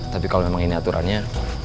tapi kalau memang ini aturannya